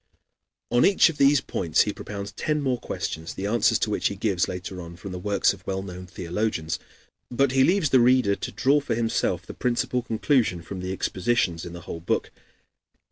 On each of these points he propounds ten more questions, the answers to which he gives later on from the works of well known theologians. But he leaves the reader to draw for himself the principal conclusion from the expositions in the whole book.